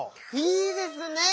いいですねぇ！